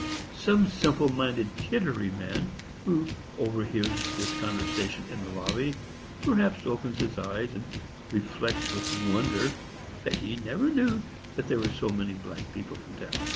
Some simple minded Kittery man, who overhears this conversation in the lobby, perhaps opens his eyes, and reflects with wonder that he never knew that there were so many black people in the town.